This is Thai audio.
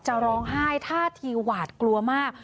ร้องไห้ท่าทีหวาดกลัวมาก